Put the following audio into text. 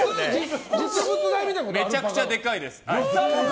めちゃくちゃでかいです。